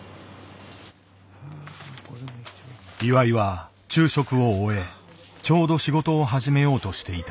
岩井は昼食を終えちょうど仕事を始めようとしていた。